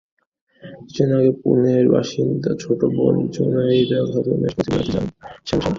কিছুদিন আগে পুনের বাসিন্দা ছোট বোন জুনাইদা খাতুনের কাছে বেড়াতে যান শামশাদ।